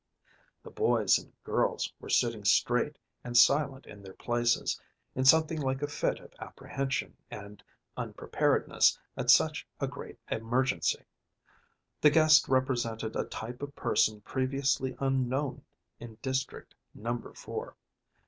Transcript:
The boys and girls were sitting straight and silent in their places, in something like a fit of apprehension and unpreparedness at such a great emergency. The guest represented a type of person previously unknown in District Number Four.